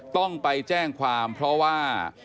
ต้องไปแจ้งความเพราะว่า